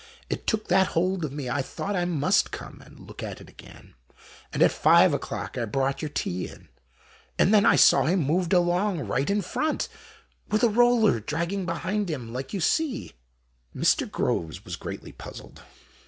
It took that hold of me I thought I must come and look at it again, and at five o'clock I brought your tea in. And then I saw him moved along right in front, with a roller dragging behind him, like you see. Mr. Groves was greatly puzzled.